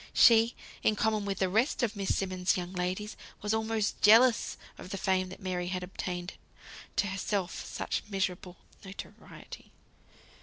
She, in common with the rest of Miss Simmonds' young ladies, was almost jealous of the fame that Mary had obtained; to herself, such miserable notoriety.